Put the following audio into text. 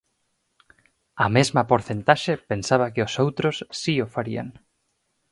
A mesma porcentaxe pensaba que os outros si o farían.